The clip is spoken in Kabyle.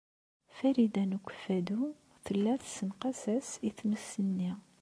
Farida n Ukeffadu tella tessenqas-as i tmes-nni.